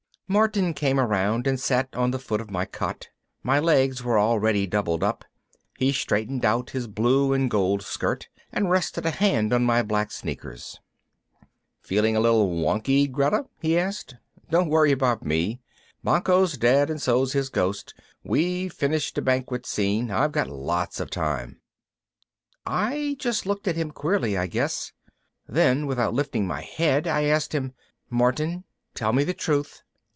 Martin came around and sat on the foot of my cot. My legs were already doubled up. He straightened out his blue and gold skirt and rested a hand on my black sneakers. "Feeling a little wonky, Greta?" he asked. "Don't worry about me. Banquo's dead and so's his ghost. We've finished the Banquet Scene. I've got lots of time." I just looked at him, queerly I guess. Then without lifting my head I asked him, "Martin, tell me the truth.